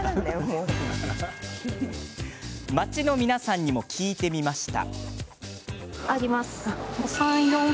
街の皆さんにも聞いてみました。